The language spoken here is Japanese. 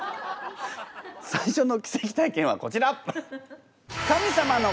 最初の奇跡体験はこちら！